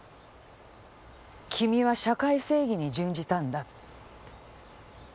君は社会正義に殉じたんだって。